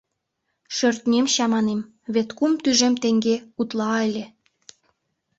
Шӧртнем чаманем, вет кум тӱжем теҥге утла ыле.